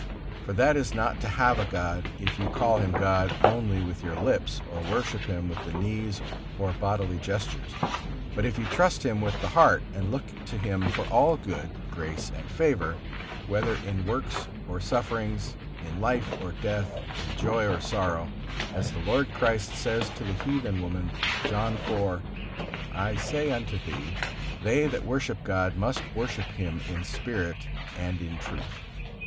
For that is not to have a god, if you call him God only with your lips, or worship him with the knees or bodily gestures; but if you trust Him with the heart, and look to Him for all good, grace and favor, whether in works or sufferings, in life or death, in joy or sorrow; as the Lord Christ says to the heathen woman, John iv: "I say unto thee, they that worship God must worship Him in spirit and in truth."